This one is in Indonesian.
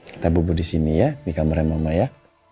kita bubuk disini ya di kamar mama ya